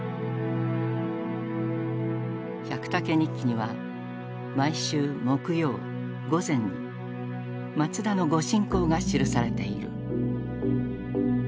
「百武日記」には毎週木曜午前に松田の御進講が記されている。